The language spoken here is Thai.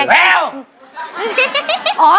เร็ว